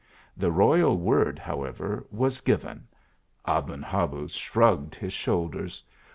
The royal word, however, was given Aben Habuz shrugged his shoulders.